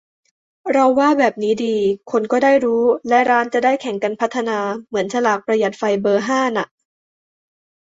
เราว่าแบบนี้ดี คนก็ได้รู้ และร้านจะได้แข่งกันพัฒนา เหมือนฉลากประหยัดไฟเบอร์ห้าน่ะ